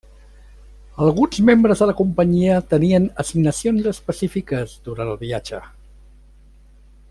Alguns membres de la companyia tenien assignacions específiques durant el viatge.